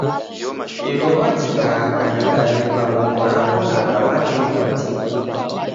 Iruw'a jikaaka nidanyuka nguw'o rapo na ra w'anedu w'atini.